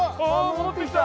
戻ってきた！